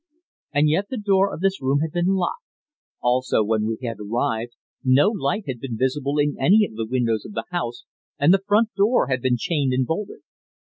And yet the door of this room had been locked. Also, when we had arrived, no light had been visible in any of the windows of the house, and the front door had been chained and bolted.